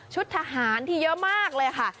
ทหารที่เยอะมากเลยค่ะ